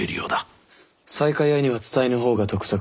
西海屋には伝えぬ方が得策でしょう。